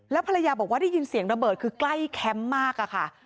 ภรรยาบอกว่าได้ยินเสียงระเบิดคือใกล้แคมป์มากอะค่ะ